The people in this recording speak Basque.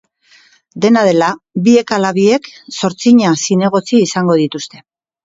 Dena dela, biek ala biek zortzina zinegotzi izango dituzte.